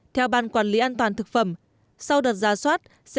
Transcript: theo ban quản lý an toàn thực phẩm sau đợt giả soát